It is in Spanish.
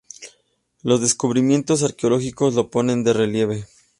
Los descubrimientos arqueológicos lo ponen de relieve.